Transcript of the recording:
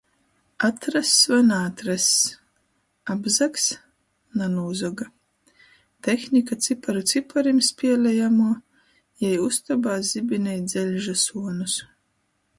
Atrass voi naatrass. Apzags? Nanūzoga. Tehnika ciparu ciparim spielejamuo, jei ustobā zibinej dzeļža suonus.